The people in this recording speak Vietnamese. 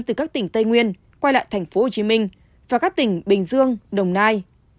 từ các tỉnh tây nguyên quay lại thành phố hồ chí minh và các tỉnh bình dương đồng nai